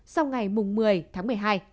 sau ngày một mươi tháng một mươi hai